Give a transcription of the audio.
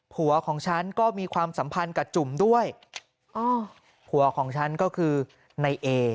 ของฉันก็มีความสัมพันธ์กับจุ่มด้วยอ๋อผัวของฉันก็คือในเอ